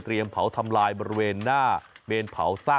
ที่จังหวัดอุตรดิษฐ์บริเวณสวนหลังบ้านต่อไปครับ